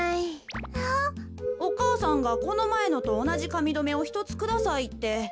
お母さんがこのまえのとおなじかみどめをひとつくださいって。